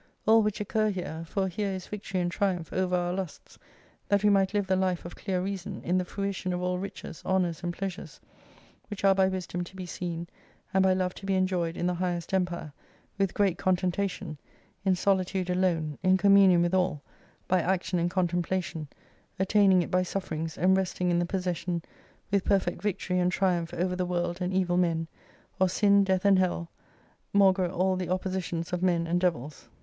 All which occur here, for here is victory and triumph over our lusts, that we might live the life of clear reason, in the fruition of all riches, honours, and pleasures, which are by wisdom to be seen, and by love to be enjoyed in the highest empire, with great contentation, in solitude alone, in commu nion with all, by action and contemplation, attaining it by sufferings, and resting in the possession, with perfect victory and triumph over the world and evil men, or sin, death and hell, maugre all the oppositions of men and devils.